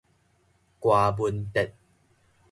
柯文哲